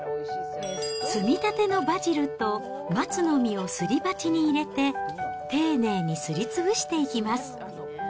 摘みたてのバジルと松の実をすり鉢に入れて、丁寧にすりつぶしていきます。